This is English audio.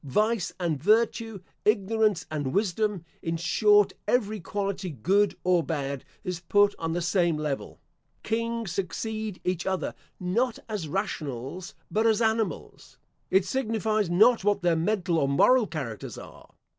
Vice and virtue, ignorance and wisdom, in short, every quality good or bad, is put on the same level. Kings succeed each other, not as rationals, but as animals. It signifies not what their mental or moral characters are.